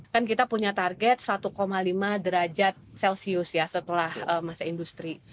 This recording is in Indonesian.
kan kita punya target satu lima derajat celcius ya setelah masa industri